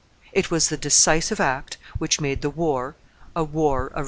It was the decisive act which made the war a war of religion.